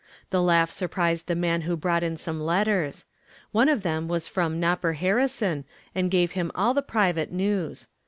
The laugh surprised the man who brought in some letters. One of them was from "Nopper" Harrison, and gave him all the private news.